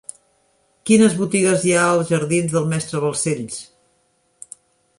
Quines botigues hi ha als jardins del Mestre Balcells?